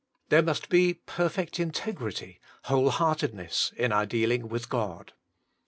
There must be perfect integrity, whole heartedness, in our dealing with God.